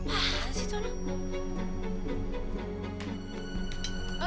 apaan sih itu